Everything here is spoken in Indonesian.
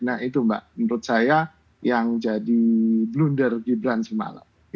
nah itu mbak menurut saya yang jadi blunder gibran semalam